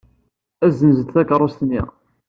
Ad ssenzent takeṛṛust-nni.